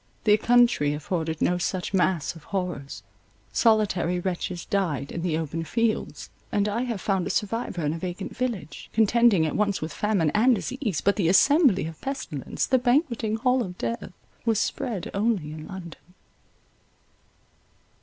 The country afforded no such mass of horrors; solitary wretches died in the open fields; and I have found a survivor in a vacant village, contending at once with famine and disease; but the assembly of pestilence, the banqueting hall of death, was spread only in London.